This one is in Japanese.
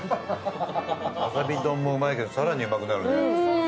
わさび丼もうまいけど、更にうまくなるんだよ。